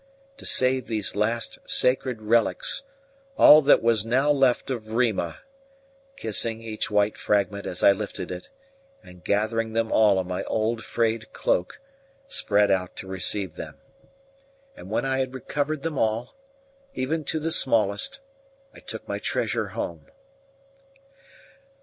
to save these last sacred relics, all that was now left of Rima! kissing each white fragment as I lifted it, and gathering them all in my old frayed cloak, spread out to receive them. And when I had recovered them all, even to the smallest, I took my treasure home.